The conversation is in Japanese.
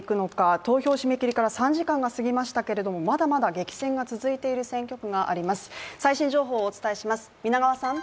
投票締め切りから３時間が過ぎましたけど、まだまだ激戦が続いている選挙区が最新情報をお伝えします。